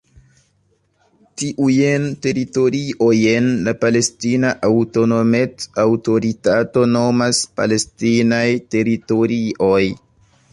Tiujn teritoriojn la Palestina Aŭtonomec-Aŭtoritato nomas "palestinaj teritorioj".